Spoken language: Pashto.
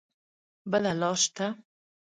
بله لار شته؟